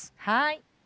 はい。